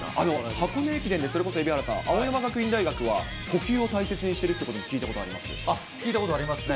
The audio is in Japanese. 箱根駅伝で、それこそ蛯原さん、青山学院大学は呼吸を大切にしているということを聞いたことあり聞いたことありますね。